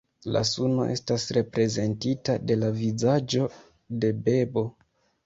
La suno estas reprezentita de la vizaĝo de bebo.